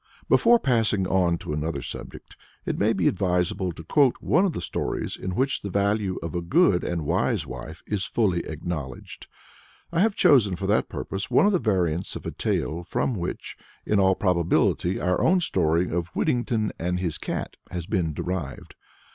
Before passing on to another subject, it may be advisable to quote one of the stories in which the value of a good and wise wife is fully acknowledged. I have chosen for that purpose one of the variants of a tale from which, in all probability, our own story of "Whittington and his Cat" has been derived.